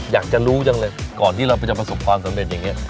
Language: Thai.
อยากจะรู้จังเลยก่อนที่เราจะประสบความสำเร็จอย่างนี้